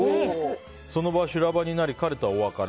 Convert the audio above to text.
その場は修羅場になり彼とはお別れ。